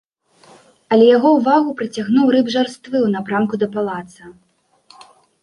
Але яго ўвагу прыцягнуў рып жарствы ў напрамку да палаца.